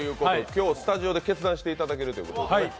今日スタジオで決断していただけるということですね。